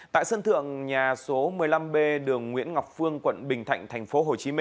tại sân thượng nhà số một mươi năm b đường nguyễn ngọc phương quận bình thạnh tp hcm